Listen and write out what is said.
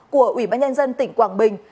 của ủy ban nhân dân tỉnh quảng bình